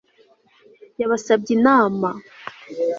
Yabasabye inama